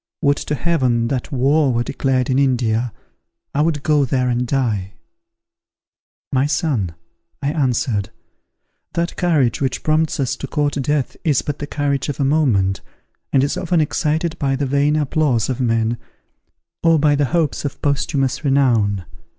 Would to Heaven that war were declared in India! I would go there and die." "My son," I answered, "that courage which prompts us to court death is but the courage of a moment, and is often excited by the vain applause of men, or by the hopes of posthumous renown.